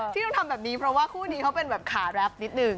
ที่ต้องทำแบบนี้เพราะว่าคู่นี้เขาเป็นแบบขาแรปนิดนึง